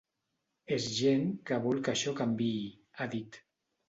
És gent que vol que això canviï, ha dit.